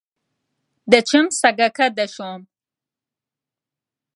دەچم سەگەکە دەشۆم.